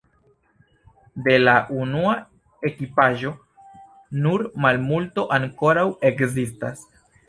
De la unua ekipaĵo nur malmulto ankoraŭ ekzistas.